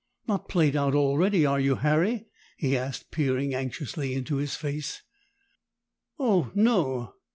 "Not played out already, are you, Harry?" he asked, peering anxiously into his face. "Oh, no!"